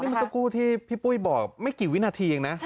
เมื่อสักครู่ที่พี่ปุ้ยบอกไม่กี่วินาทีเองนะ